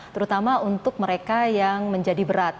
terutama untuk mereka yang menjadi berat